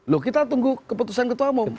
loh kita tunggu keputusan ketua umum